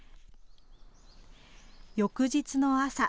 翌日の朝。